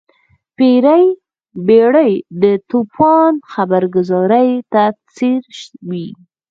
بیړۍ د توپان خبرګذارۍ ته ځیر وي.